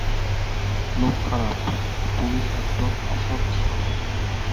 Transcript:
লোক খারাপ, পুলিশ একদম অসৎ সালা।